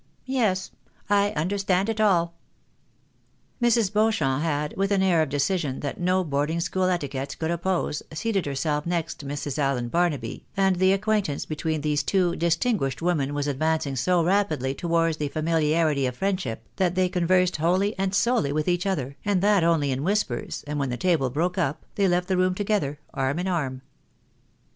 Yes; I understand it all." Mrs. Beauchamp had, with an air of decision that no boarding school etiquettes could oppose, seated herself next Mrs. Allen Barnaby, and the acquaintance between these two distinguished women was advancing so rapidly towards the famiUarity of friend ship, that they conversed wholly and solely with each other, and that only in whispers, and when the table broke up, they left the room together, arm in arm.